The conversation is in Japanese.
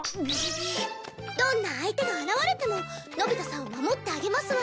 どんな相手が現れてものび太さんを守ってあげますわ。